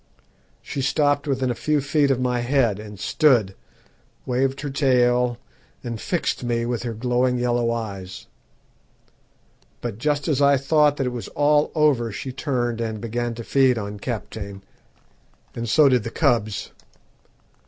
She stopped within a few feet of my head, and stood, waved her tail, and fixed me with her glowing yellow eyes; but just as I thought that it was all over she turned and began to feed on Kaptein, and so did the cubs.